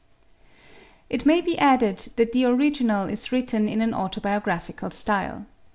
It may be added that the original is written in an autobiographical style.